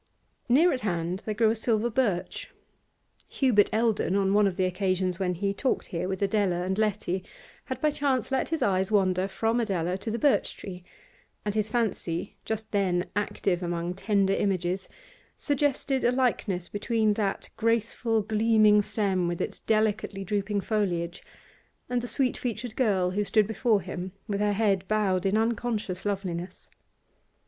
Near at hand there grew a silver birch Hubert Eldon, on one of the occasions when he talked here with Adela and Letty, had by chance let his eyes wander from Adela to the birch tree, and his fancy, just then active among tender images, suggested a likeness between that graceful, gleaming stem with its delicately drooping foliage and the sweet featured girl who stood before him with her head bowed in unconscious loveliness.